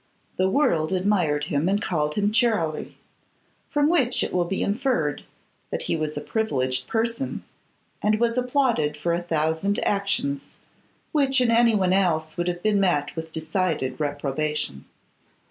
The world admired him, and called him Charley, from which it will be inferred that he was a privileged person, and was applauded for a thousand actions, which in anyone else would have been met with decided reprobation.